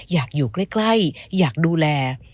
อยากอยู่ใกล้อยากดูแล